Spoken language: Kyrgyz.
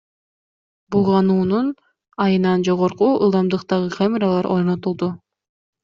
Булгануунун айынан жогорку ылдамдыктагы камералар орнотулду.